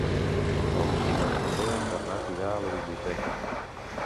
El vint-i-nou de febrer en Bernat irà a la biblioteca.